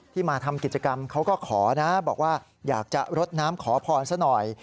มาทำกิจกรรมเขาก็ขอนะบอกว่าอยากจะรดน้ำขอพรซะหน่อย